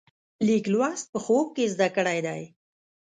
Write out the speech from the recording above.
لیک لوست په خوب کې زده کړی دی.